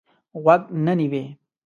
غوږ نه نیوی.